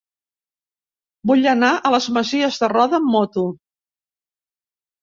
Vull anar a les Masies de Roda amb moto.